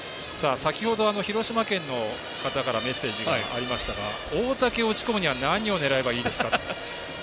先ほど広島県の方からメッセージがありましたが大竹を打ち込むには何を狙えばいいですかと。